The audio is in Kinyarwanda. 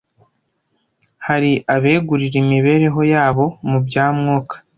hari abegurira imibereho yabo mu bya Mwuka